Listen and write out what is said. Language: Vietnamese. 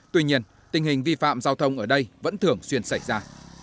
tuy nhiên tình hình vi phạm giao thông ở đây vẫn thường xuyên xảy ra